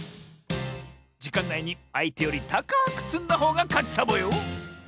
じかんないにあいてよりたかくつんだほうがかちサボよ！